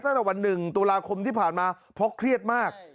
ตั้งแต่วัน๑ตุลาคมที่ผ่านมาเพราะเครียดมาก